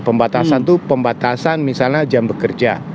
pembatasan itu pembatasan misalnya jam bekerja